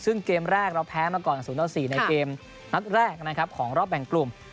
ซึ่งเกมแรกเราแพ้มาก่อน๐๔ในเกมนัดแรกนะครับของรอบแบ่งกลุ่ม